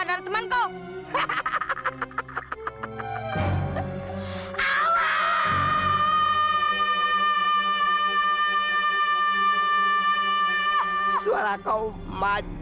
pak gimlo tautin gua